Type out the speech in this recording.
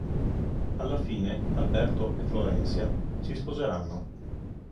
Alla fine Alberto e Florencia si sposeranno.